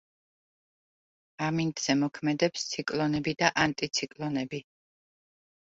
ამინდზე მოქმედებს ციკლონები და ანტიციკლონები.